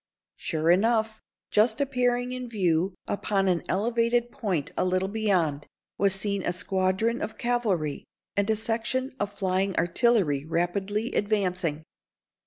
Sure enough, just appearing in view upon an elevated point a little beyond, was seen a squadron of cavalry, and a section of flying artillery rapidly advancing.